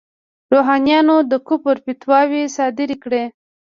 روحانیونو د کفر فتواوې صادرې کړې.